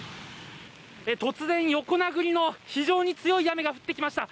突然横殴りの強い雨が降ってきました。